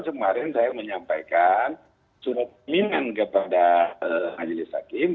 kemarin saya menyampaikan surat peminan kepada majelis hakim